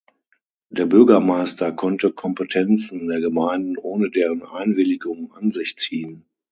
Der Bürgermeister konnte Kompetenzen der Gemeinden ohne deren Einwilligung an sich ziehen.